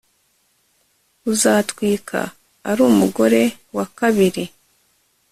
uzatwika ari umugore wa kabiri